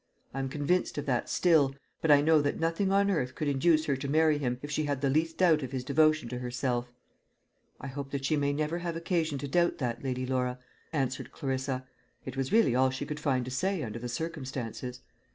I am convinced of that still; but I know that nothing on earth could induce her to marry him if she had the least doubt of his devotion to herself." "I hope that she may never have occasion to doubt that, Lady Laura," answered Clarissa. It was really all she could find to say under the circumstances.